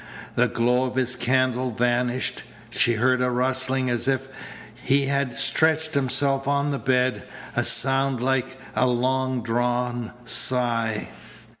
The glow of his candle vanished. She heard a rustling as if he had stretched himself on the bed, a sound like a long drawn sigh.